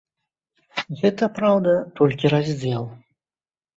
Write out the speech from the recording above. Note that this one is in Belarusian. Гэта, праўда, толькі раздзел.